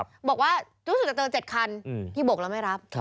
บอกว่ารู้สึกจะเจอ๗คันพี่บกแล้วไม่รับ